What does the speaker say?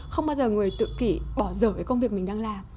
không bao giờ người tự kỷ bỏ rời công việc mình đang làm